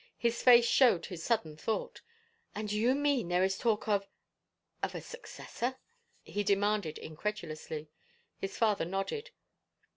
His face showed his sudden thought. " And do you mean there is talk of — of a successor ?" he demanded incredulously. His father nodded.